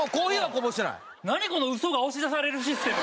この嘘が押し出されるシステム。